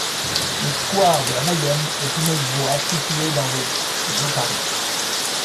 Le square de la Mayenne est une voie située dans le de Paris.